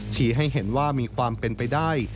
ให้เห็นว่ามีความเป็นไปได้